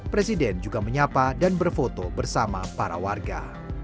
presiden juga menyapa dan berfoto bersama para warga